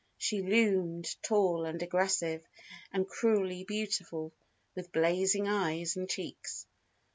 She loomed tall and aggressive, and cruelly beautiful, with blazing eyes and cheeks.